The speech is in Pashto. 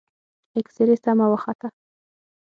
اكسرې سمه وخته.